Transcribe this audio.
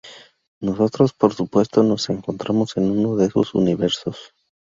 Nosotros, por supuesto, nos encontramos en uno de esos universos.